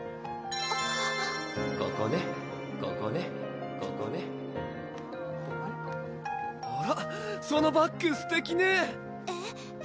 ここねここねここねあらそのバッグすてきねえっ？